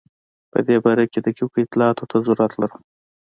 په دې باره کې دقیقو اطلاعاتو ته ضرورت لرم.